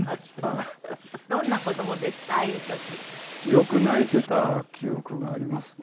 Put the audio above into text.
よく泣いてた記憶がありますね。